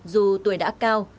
dù tuổi đã cao